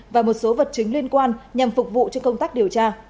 và một số vật chứng liên quan nhằm phục vụ cho công tác điều tra